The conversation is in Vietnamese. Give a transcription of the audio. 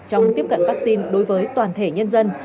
trong tiếp cận vaccine đối với toàn thể nhân dân